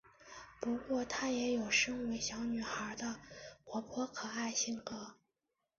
不过她也有身为小女孩的活泼可爱性格。